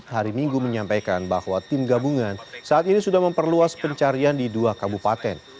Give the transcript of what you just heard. hari minggu menyampaikan bahwa tim gabungan saat ini sudah memperluas pencarian di dua kabupaten